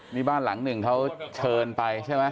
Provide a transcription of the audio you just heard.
นี่บ้านหลังหนึ่งเขาเชิญไปใช่ไหม